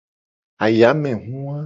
Ayamehu wa.